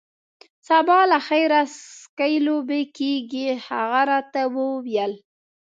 سبا له خیره سکی لوبې کیږي. هغه راته وویل.